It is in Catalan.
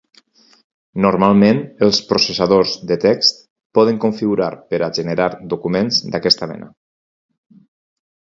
Normalment els processadors de text poden configurar per a generar documents d'aquesta manera.